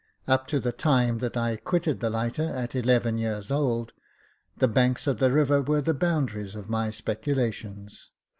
Up to the time that I quitted the lighter, at eleven years old, the banks of the river were the boundaries of my speculations.